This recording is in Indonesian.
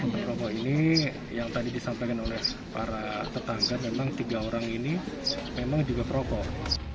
pondok rokok ini yang tadi disampaikan oleh para tetangga memang tiga orang ini memang juga perokok